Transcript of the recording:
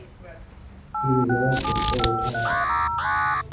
He was elected four times.